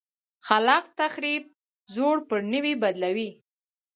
خلاق تخریب زوړ پر نوي بدلوي.